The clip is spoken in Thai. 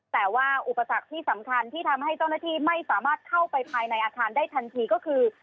แต่ว่าอุปสรรคที่สำคัญที่ทำให้เจ้าหน้าที่ไม่สามารถเข้าไปภายในอาคารได้ทันทีก็คือ